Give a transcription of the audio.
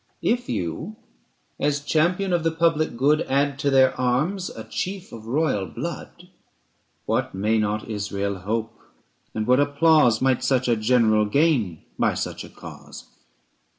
<)6 ABSALOM AND ACHITOPHEL* If you, as champion of the public good, Add to their arms a chief of royal blood, What may not Israel hope, and what applause 295 Might such a general gain by such a cause